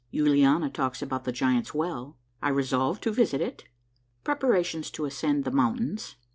— YULIANA TALKS ABOUT THE GIANTS' WELL. — I EESOLVE TO VISIT IT. — PKEPARATIONS TO ASCEND THE MOUNTAINS.